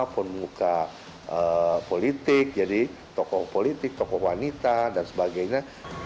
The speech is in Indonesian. pemuka politik jadi tokoh politik tokoh wanita dan sebagainya